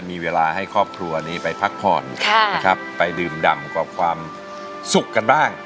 มีเวลาให้ครอบครัวนี้ไปพักผ่อนนะครับไปดื่มดำกับความสุขกันบ้าง